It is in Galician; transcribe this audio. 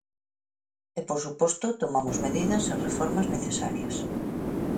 E, por suposto, tomamos medidas e reformas necesarias.